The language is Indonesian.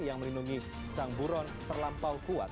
yang melindungi sang buron terlampau kuat